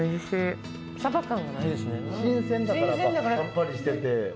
新鮮だからさっぱりしてて。